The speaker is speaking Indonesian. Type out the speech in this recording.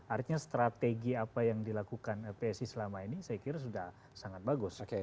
artinya strategi apa yang dilakukan psi selama ini saya kira sudah sangat bagus